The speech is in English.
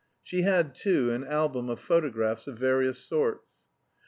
She had, too, an album of photographs of various sorts.